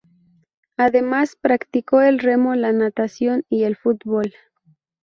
Además, practicó el remo, la natación, y el fútbol.